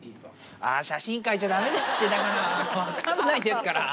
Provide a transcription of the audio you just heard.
あぁ、写真変えちゃだめだって、だから、分かんないですから。